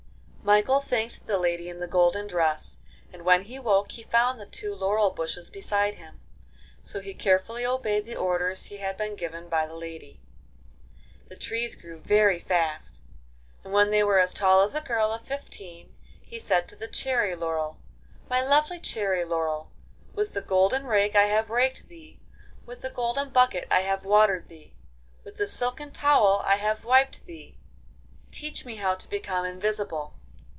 Michael thanked the lady in the golden dress, and when he woke he found the two laurel bushes beside him. So he carefully obeyed the orders he had been given by the lady. The trees grew very fast, and when they were as tall as a girl of fifteen he said to the cherry laurel, 'My lovely cherry laurel, with the golden rake I have raked thee, with the golden bucket I have watered thee, with the silken towel I have wiped thee. Teach me how to become invisible.